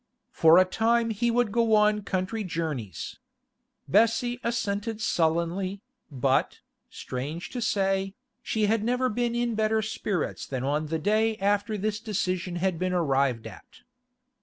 For a time he would go on country journeys. Bessie assented sullenly, but, strange to say, she had never been in better spirits than on the day after this decision had been arrived at.